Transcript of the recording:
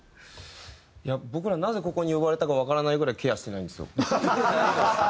いや僕らなぜここに呼ばれたかわからないぐらいケアしてないんですよ。